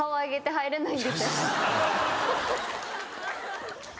はい。